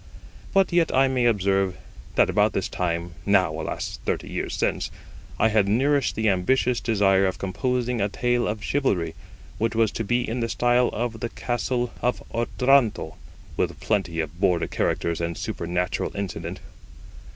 But yet I may observe, that about this time (now, alas! thirty years since) I had nourished the ambitious desire of composing a tale of chivalry, which was to be in the style of the Castle of Otranto, with plenty of Border characters and supernatural incident.